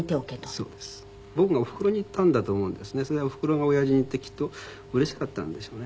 それでおふくろが親父に言ってきっとうれしかったんでしょうね。